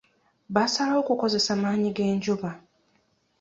Baasalawo kukozesa amaanyi g'enjuba.